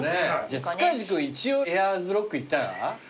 じゃあ塚地君一応エアーズロックいったら？